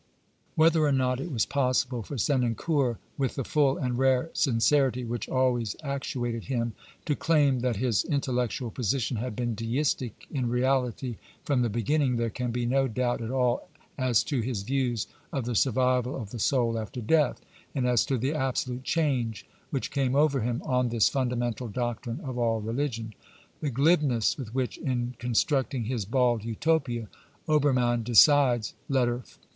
Whether or not it was possible for Senancour, with the full and rare sincerity which always actuated him, to claim that his intellectual position had been deistic, in reality, from the beginning, there can be no doubt at all as to his views of the survival of the soul after death, and as to the absolute change which came over him on this funda mental doctrine of all religion. The glibness with which, in constructing his bald Utopia, Obermann decides (Letter XIV.)